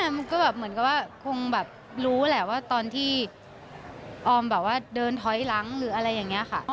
มันก็เหมือนว่าคงรู้แหละว่าตอนที่ออมเดินถอยหลังหรืออะไรอย่างนี้ค่ะ